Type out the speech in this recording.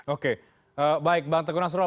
oke baik bang teguh nasrul